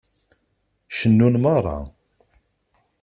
Cennun meṛṛa.